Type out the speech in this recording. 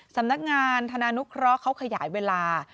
สำนักงานธนานุเคราะห์เขาขยายเวลา